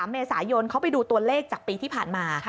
เมษายนเขาไปดูตัวเลขจากปีที่ผ่านมา